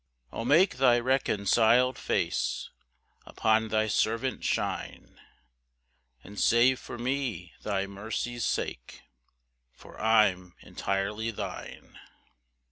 4 O make thy reconciled face Upon thy servant shine, And save me for thy mercy's sake, For I'm entirely thine. PAUSE.